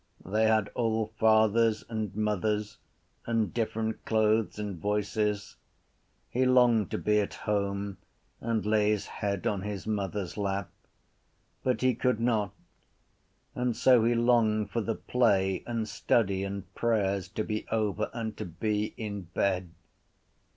They had all fathers and mothers and different clothes and voices. He longed to be at home and lay his head on his mother’s lap. But he could not: and so he longed for the play and study and prayers to be over and to be in bed.